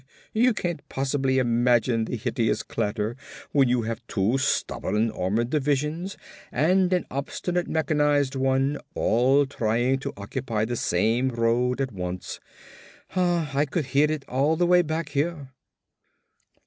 You can't possibly imagine the hideous clatter when you have two stubborn armored divisions and an obstinate mechanized one all trying to occupy the same road at once. I could hear it all the way back here."